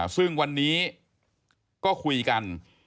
ซึ่งวันนี้ก็คุยกัน